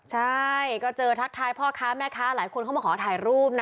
ใช่ก็เจอทักทายพ่อค้าแม่ค้าหลายคนเข้ามาขอถ่ายรูปนะ